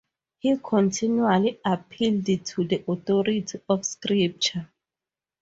He continually appealed to the authority of Scripture.